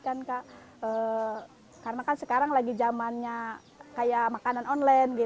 kan kak karena kan sekarang lagi zamannya kayak makanan online gitu ya makanan makanan online gitu ya